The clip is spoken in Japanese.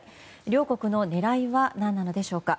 両国の狙いは何なんでしょうか。